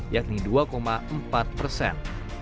yakni dua empat persen